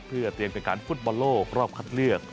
เพื่อเตรียมแข่งขันฟุตบอลโลกรอบคัดเลือก